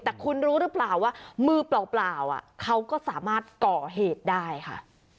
แต่คุณรู้หรือเปล่าว่ามือเปล่าเขาก็สามารถก่อเหตุได้ค่ะ